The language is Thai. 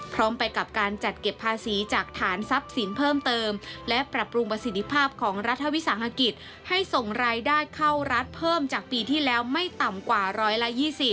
พร้อมไปกับการจัดเก็บภาษีจากฐานทรัพย์สินเพิ่มเติมและปรับปรุงประสิทธิภาพของรัฐวิสาหกิจให้ส่งรายได้เข้ารัฐเพิ่มจากปีที่แล้วไม่ต่ำกว่า๑๒๐